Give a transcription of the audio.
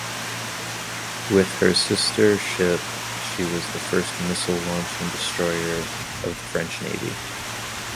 With her sister-ship, she was the first missile-launching destroyer of the French Navy.